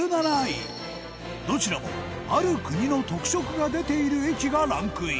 どちらも、ある国の特色が出ている駅がランクイン